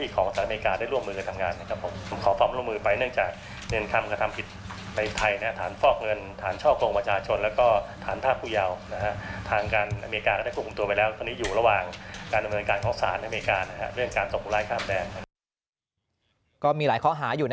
ก็มีหลายข้อหาอยู่